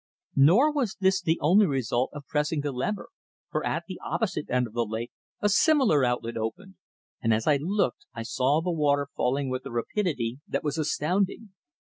Nor was this the only result of pressing the lever, for at the opposite end of the lake a similar outlet opened, and as I looked I saw the water falling with a rapidity that was astounding.